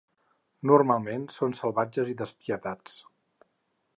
Normalment són salvatges i despietats.